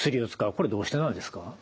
これどうしてなんですか？